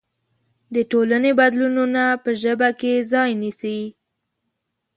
د ټولنې بدلونونه په ژبه کې ځای نيسي.